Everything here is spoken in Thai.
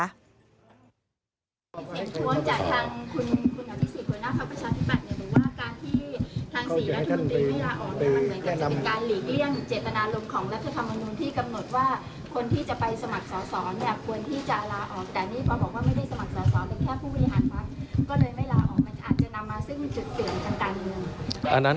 เห็นช่วงจากคุณเหล่าที่๔คุณหน้าครับประชาธิบัตร